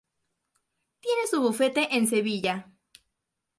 Tiene su bufete en sevilla.